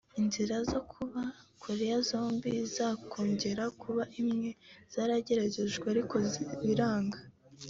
inzira zo kuba Korea zombi zakongera kuba imwe zarageragejwe ariko biranga